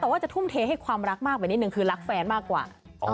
แต่ว่าจะทุ่มเทให้ความรักมากไปนิดนึงคือรักแฟนมากกว่า